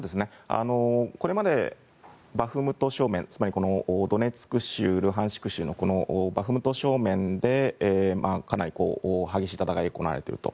これまでバフムト正面つまり、ドネツク州ルハンシク州のバフムト正面でかなり激しい戦いが行われていると。